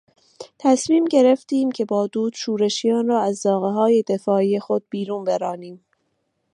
تصمیم گرفتیم که با دود شورشیان را از زاغههای دفاعی خود بیرون برانیم.